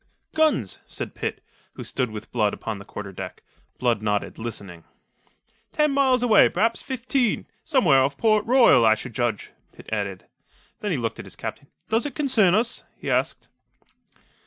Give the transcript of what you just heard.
"Guns!" said Pitt, who stood with Blood upon the quarter deck. Blood nodded, listening. "Ten miles away, perhaps fifteen somewhere off Port Royal, I should judge," Pitt added. Then he looked at his captain. "Does it concern us?" he asked.